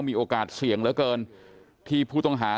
มีโอกาสเสี่ยงเหลือเกินที่ผู้ต้องหา